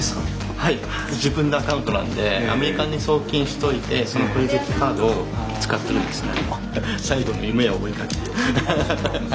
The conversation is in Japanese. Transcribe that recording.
はい自分のアカウントなんでアメリカに送金しといてそのクレジットカードを使ってるんですね。